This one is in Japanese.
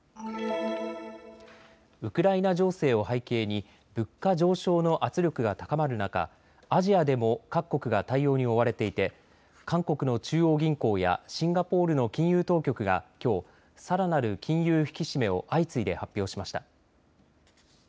ウクライナ情勢を背景に物価上昇の圧力が高まる中、アジアでも各国が対応に追われていて韓国の中央銀行やシンガポールの金融当局がきょう、さらなる金融引き締めを相次いで発表しました。